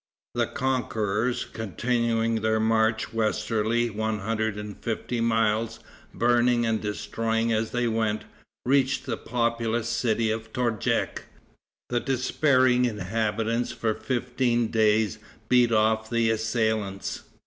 The conquerors, continuing their march westerly one hundred and fifty miles, burning and destroying as they went, reached the populous city of Torjek. The despairing inhabitants for fifteen days beat off the assailants.